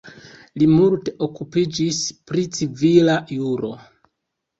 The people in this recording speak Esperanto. Li multe okupiĝis pri civila juro.